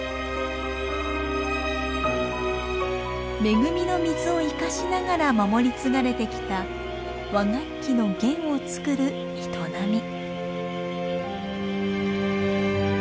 恵みの水を生かしながら守り継がれてきた和楽器の弦を作る営み。